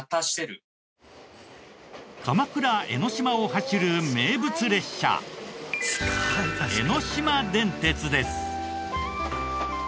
鎌倉・江の島を走る名物列車江ノ島電鉄です。